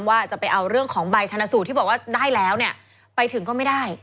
ว่าจะไปเอาเรื่องของใบชนะสูตรที่บอกว่าได้แล้วเนี่ยไปถึงก็ไม่ได้